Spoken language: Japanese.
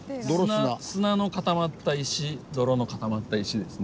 砂の固まった石泥の固まった石ですね。